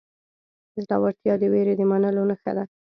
زړورتیا د وېرې د منلو نښه ده.